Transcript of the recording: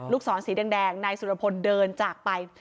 ศรสีแดงนายสุรพลเดินจากไป